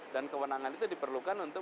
dan kewenangan itu diperlukan untuk